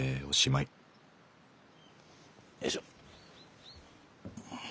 よいしょ。